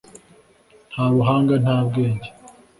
Nta buhanga nta bwenge